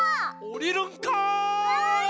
おりるんかい！